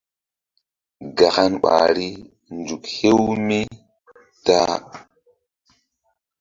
Gakan ɓahri: nzuk hew mi ta-a.